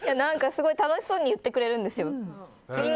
すごい楽しそうに言ってくれるんですよ。